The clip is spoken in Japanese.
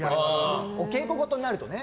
お稽古ごとになるとね。